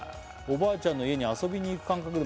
「おばあちゃんの家に遊びにいく感覚で」